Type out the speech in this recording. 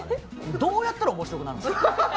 どうやったら面白くなるんですか？